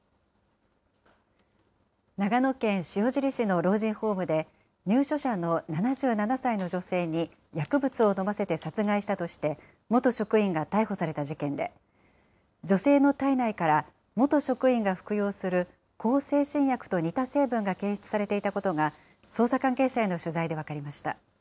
長野県塩尻市の老人ホームで、入所者の７７歳の女性に薬物を飲ませて殺害したとして、元職員が逮捕された事件で、女性の体内から、元職員が服用する向精神薬と似た成分が検出されていたことが、捜査関係者への取材で分かりました。